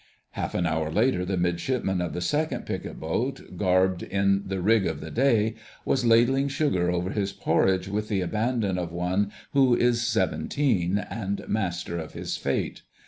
Half an hour later the Midshipman of the Second Picket Boat, garbed in the "rig of the day," was ladling sugar over his porridge with the abandon of one who is seventeen and master of his fate.